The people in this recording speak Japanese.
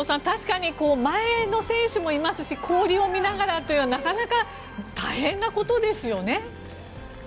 確かに前の選手もいますし氷を見ながらというのはなかなか大変なことですよね。